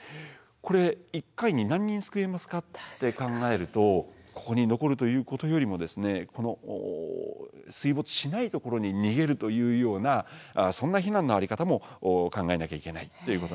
これ一回に何人救えますかって考えるとここに残るということよりも水没しないところに逃げるというようなそんな避難の在り方も考えなきゃいけないということなんです。